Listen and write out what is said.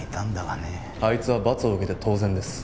あいつは罰を受けて当然です。